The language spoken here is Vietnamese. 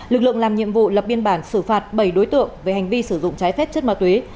lực lượng làm nhiệm vụ lập biên bản xử phạt bảy đối tượng về hành vi sử dụng trái phép chất ma túy